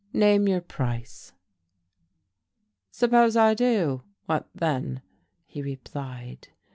Name your price." "Suppose I do what then," he replied.